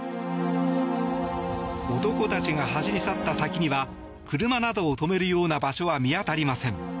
男たちが走り去った先には車などを止めるような場所は見当たりません。